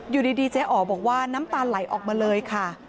อยู่ดีเจ๊อ๋อบอกว่าน้ำตาลไหลออกมาเลยค่ะ